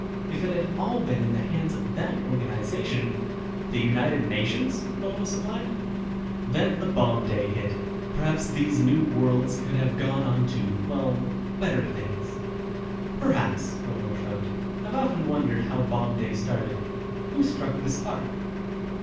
If it had all been in the hands of that organization ..." "The United Nations?" Vovo supplied. "... Then when Bomb Day hit, perhaps these new worlds could have gone on to, well, better things." "Perhaps," Vovo shrugged. "I've often wondered how Bomb Day started. Who struck the spark."